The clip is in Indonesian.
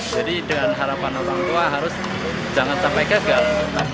jadi dengan harapan orang tua harus jangan sampai gagal